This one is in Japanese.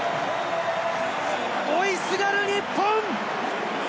追いすがる日本！